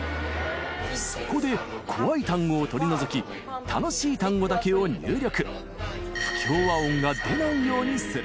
そこで怖い単語を取り除き楽しい単語だけを入力